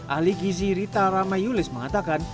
ahli gizi rita ramayulis mengatakan